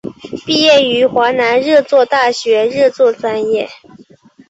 毕业于华南热作大学热作专业。